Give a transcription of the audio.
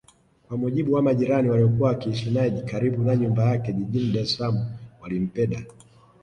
Kwa mujibu wa majirani waliokuwa wakiishi naye karibu na nyumba yake jijini DaresSalaam walimpeda